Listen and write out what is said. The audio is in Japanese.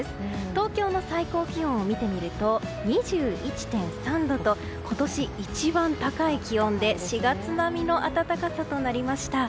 東京の最高気温を見てみると２１．３度と今年一番高い気温で４月並みの暖かさとなりました。